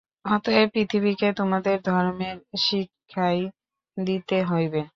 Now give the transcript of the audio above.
অতএব পৃথিবীকে তোমাদের ধর্মের শিক্ষাই দিতে হইবে।